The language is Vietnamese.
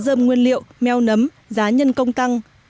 dơm nguyên liệu meo nấm giá nhân công tăng